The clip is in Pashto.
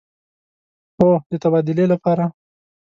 هو، د تبادلې لپاره